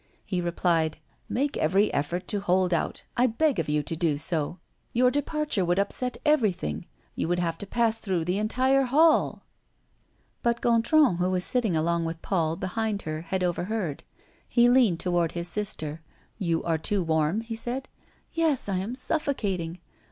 He replied: "Make every effort to hold out. I beg of you to do so! Your departure would upset everything. You would have to pass through the entire hall!" But Gontran, who was sitting along with Paul behind her, had overheard. He leaned toward his sister: "You are too warm?" said he. "Yes, I am suffocating."